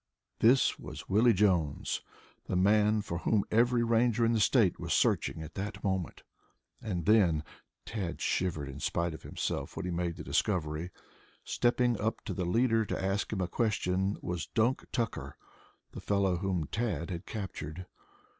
This was Willie Jones, the man for whom every Ranger in the state was searching at that moment. And then Tad shivered in spite of himself when he made the discovery stepping up to the leader to ask him a question was Dunk Tucker, the fellow whom Tad had captured.